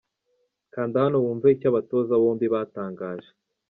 Kanda hano wumve icyo abatoza bombi batangaje .